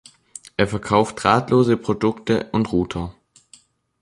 Es verkauft drahtlose Produkte und Router.